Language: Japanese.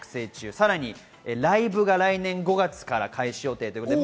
さらにライブが来年５月から開始予定だそうです。